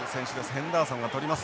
ヘンダーソンが捕ります。